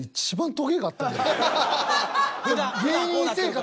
芸人生活